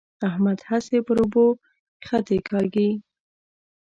احمد هسې پر اوبو خطې کاږي.